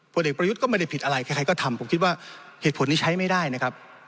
เด็กประยุทธ์ก็ไม่ได้ผิดอะไรใครก็ทำผมคิดว่าเหตุผลนี้ใช้ไม่ได้นะครับ